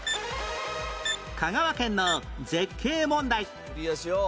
香川県の絶景問題